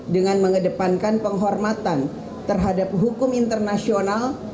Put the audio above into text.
dengan mengedepankan penghormatan terhadap hukum internasional